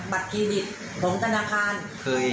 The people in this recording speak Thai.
บัตรเครดิตของธนาคาร